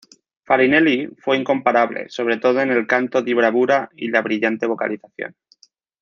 Farinelli fue incomparable sobre todo en el canto di bravura y la brillante vocalización.